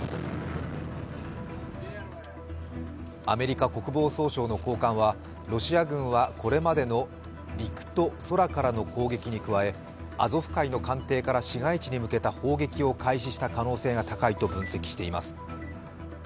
アメリカ国防総省の高官はロシア軍はこれまでの陸と空からの攻撃に加えアゾフ海の艦艇から市街地に向けた砲撃を開始した可能性が高いと分析しています。